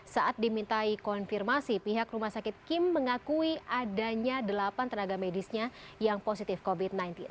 saat dimintai konfirmasi pihak rumah sakit kim mengakui adanya delapan tenaga medisnya yang positif covid sembilan belas